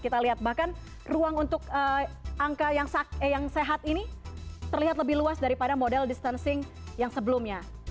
kita lihat bahkan ruang untuk angka yang sehat ini terlihat lebih luas daripada model distancing yang sebelumnya